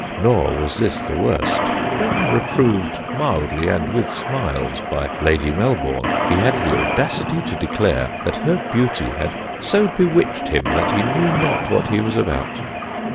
Nor was this the worst; when reproved mildly, and with smiles, by Lady Melbourne, he had the audacity to declare, that her beauty had so bewitched him that he knew not what he was about.